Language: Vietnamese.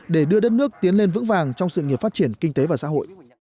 để đưa đất nước tiến lên vững vàng trong sự nghiệp phát triển kinh tế và xã hội